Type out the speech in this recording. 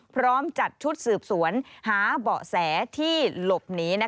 พร้อมจัดชุดสืบสวนหาเบาะแสที่หลบหนี